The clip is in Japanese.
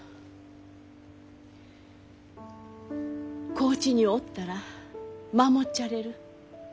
高知におったら守っちゃれる。